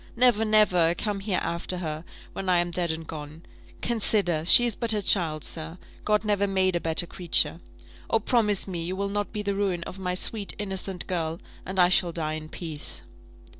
Never, never come here after her, when I am dead and gone! Consider, she is but a child, sir. God never made a better creature. Oh, promise me you will not be the ruin of my sweet innocent girl, and I shall die in peace!"